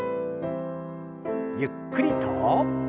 ゆっくりと。